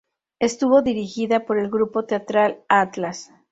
Estuvo dirigida por el Grupo Teatral Atlas.